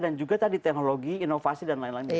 juga tadi teknologi inovasi dan lain lain